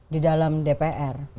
di dalam dpr